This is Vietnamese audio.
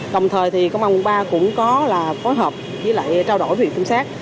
cộng thời thì công an quận ba cũng có là phối hợp với lại trao đổi với huyện trung sát